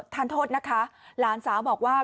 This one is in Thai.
ทานโทษนะคะหลานสาวบอกว่า